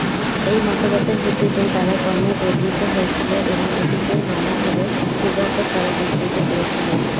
এই মতবাদের ভিত্তিতেই তারা কর্মে প্রবৃত্ত হয়েছিল এবং এটিকেই নানাভাবে পূর্বাপর তারা বিস্তৃত করেছিল।